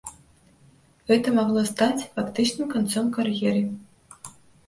Гэта магло стаць фактычным канцом кар'еры.